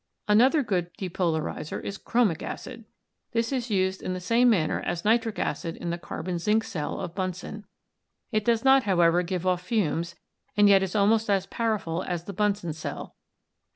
Another good depolarizer is chromic acid. This is used 256 ELECTRICITY in the same manner as nitric acid in the carbon zinc cell of Bunsen. It does not, however, give off fumes and yet is almost as powerful as the Bunsen cell.